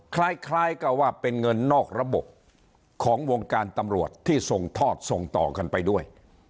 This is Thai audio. คล้ายกับว่าเป็นเงินนอกระบบของวงการตำรวจที่ส่งทอดส่งต่อกันไปด้วย